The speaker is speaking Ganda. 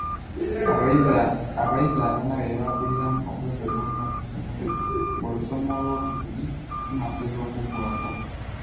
Abayizi abana be baakuliramu okwegugunga mu ssomero ng'olusoma olw'okubiri lunaatera okuggwako.